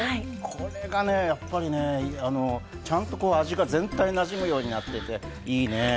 これがね、やっぱりね、味が全体になじむようになっていていいね。